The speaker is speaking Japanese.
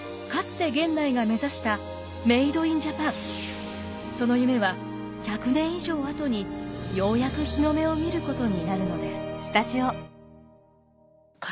かつてその夢は１００年以上あとにようやく日の目を見ることになるのです。